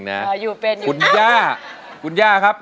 ร้องได้ให้ร้อง